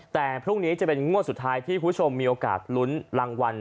แต่พรุ่งนี้จะเป็นงวดสุดท้ายที่คุณผู้ชมมีโอกาสลุ้นรางวัล